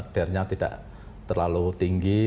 dirnya tidak terlalu tinggi